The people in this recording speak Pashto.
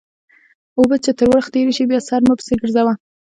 اوبه چې تر ورخ تېرې شي؛ بیا سر مه پسې ګرځوه.